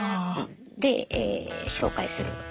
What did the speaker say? で紹介する。